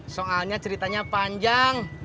soalnya ceritanya panjang